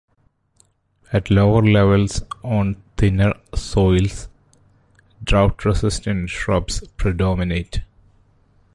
At lower levels on thinner soils, drought-resistant shrubs predominate.